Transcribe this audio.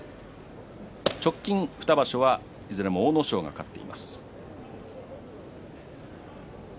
直近２場所はいずれも阿武咲が勝っています。